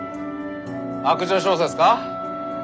悪女小説か？